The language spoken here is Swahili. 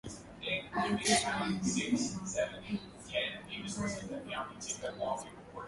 jaji suzan mavangira ambaye alikuwa anasikiliza